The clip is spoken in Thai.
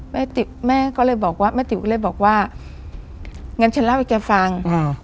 แม่ติ๋วก็เลยบอกว่างั้นฉันเล่าให้แกฟัง